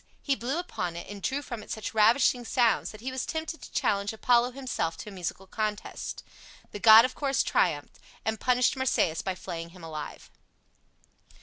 He blew upon it, and drew from it such ravishing sounds that he was tempted to challenge Apollo himself to a musical contest. The god of course triumphed, and punished Marsyas by flaying him alive.